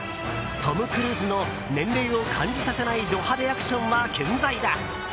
トム・クルーズの年齢を感じさせないド派手アクションは健在だ。